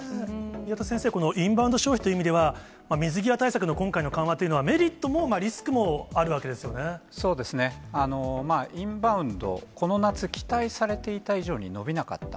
宮田先生、インバウンド消費という意味では、水際対策の今回の緩和というのは、メリットもリインバウンド、この夏期待されていた以上に、伸びなかった。